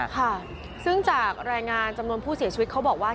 ค่ะซึ่งจากรายงานจำนวนผู้เสียชีวิตเขาบอกว่า